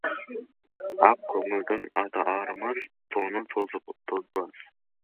Ақкөңілдің аты арымас, тоны тозбас.